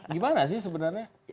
gimana sih sebenarnya